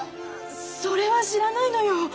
それは知らないのよ。